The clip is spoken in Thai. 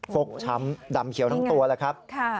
ฟกช้ำดำเขียวทั้งตัวแล้วครับ